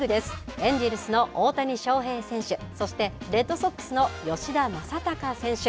エンジェルスの大谷翔平選手、そして、レッドソックスの吉田正尚選手。